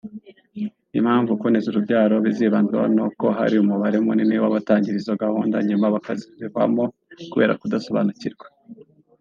Impamvu kuboneza urubyaro bizibandwaho ni uko hari umubare munini w’abatangira izo gahunda nyuma bakazivamo kubera kudasobanukirwa